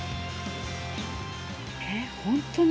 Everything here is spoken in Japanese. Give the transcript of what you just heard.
えっ、本当に？